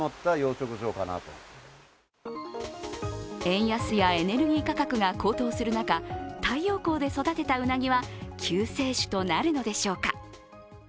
円安やエネルギー価格が高騰する中、太陽光で育てたうなぎは救世主となるのでしょうか。